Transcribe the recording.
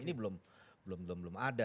ini belum belum belum belum ada